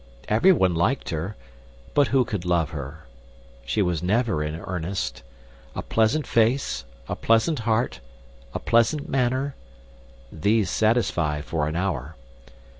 Everyone liked her, but who could love her? She was never in earnest. A pleasant face, a pleasant heart, a pleasant manner these satisfy for an hour.